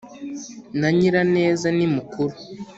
na nyiraneza ni mukuru